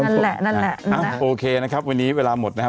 นั่นแหละนั่นแหละโอเคนะครับวันนี้เวลาหมดนะครับ